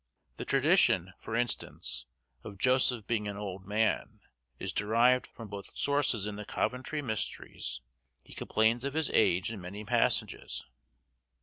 The tradition, for instance, of Joseph being an old man, is derived from both sources; in the Coventry Mysteries he complains of his age in many passages.